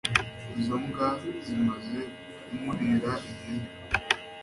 izo mbwa zimaze kumurira ihene